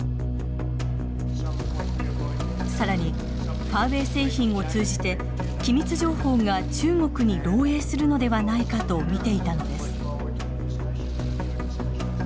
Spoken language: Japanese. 更にファーウェイ製品を通じて機密情報が中国に漏えいするのではないかと見ていたのです。